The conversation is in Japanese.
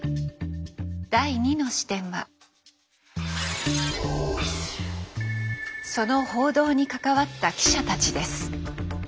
第２の視点はその報道に関わった記者たちです。